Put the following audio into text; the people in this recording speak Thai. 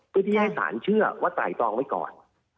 ก็ที่ให้สารเชื่อว่าจ่ายตรองไว้ก่อน